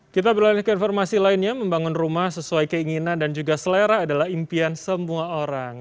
kita beralih ke informasi lainnya membangun rumah sesuai keinginan dan juga selera adalah impian semua orang